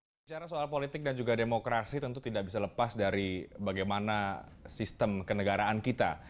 bicara soal politik dan juga demokrasi tentu tidak bisa lepas dari bagaimana sistem kenegaraan kita